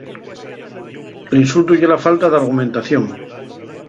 L'insultu ye la falta d'argumentación.